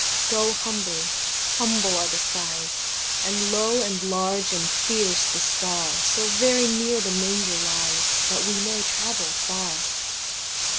Go humbly ; humble are the skies, And low and large and fierce the Star, So very near the Manger lies, That we may travel far.